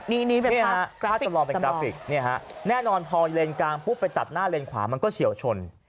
นี่ครับถ้าตำรวมเป็นกราฟิกแน่นอนพอเลนส์กลางไปตัดหน้าเลนส์ขวามันก็เฉียวชน